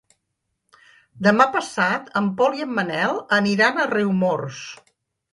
Demà passat en Pol i en Manel aniran a Riumors.